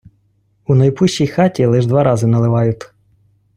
у найпущій хаті лиш два рази наливают